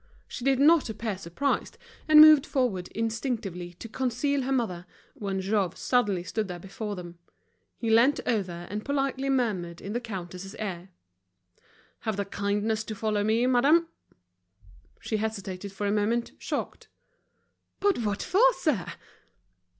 She did not appear surprised, and moved forward instinctively to conceal her mother, when Jouve suddenly stood before them. He leant over, and politely murmured in the countess's ear: "Have the kindness to follow me, madame." She hesitated for a moment, shocked. "But what for, sir?"